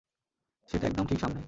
সেটা একদম ঠিক সামনে।